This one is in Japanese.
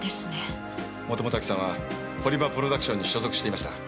もともと亜紀さんは堀場プロダクションに所属していました。